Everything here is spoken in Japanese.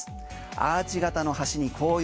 アーチ型の橋に紅葉。